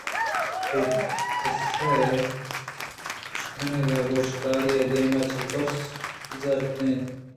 اے پسّہ ئے اِشکنگ ءَ گوں شکاریءِ دیم چہ تُرس ءَ زرد ترّ اِت